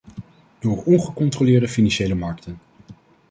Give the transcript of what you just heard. Door ongecontroleerde financiële markten.